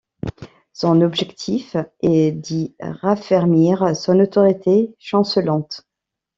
Son objectif est d'y raffermir son autorité chancelante.